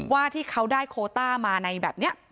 ว่าที่เขาได้โคต้ามาในแบบนี้